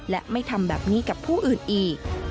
และไม่ทำแบบนี้กับผู้อื่นอีก